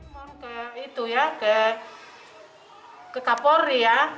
mohon ke itu ya ke kapolri ya